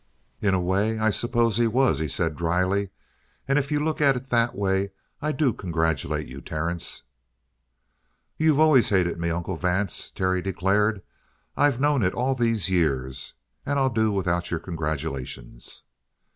"In a way, I suppose he was," he said dryly. "And if you look at it in that way, I do congratulate you, Terence!" "You've always hated me, Uncle Vance," Terry declared. "I've known it all these years. And I'll do without your congratulations."